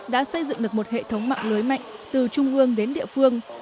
đã xây dựng được một hệ thống mạng lưới mạnh từ trung ương đến địa phương